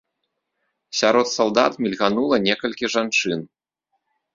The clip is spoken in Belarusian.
Сярод салдат мільганула некалькі жанчын.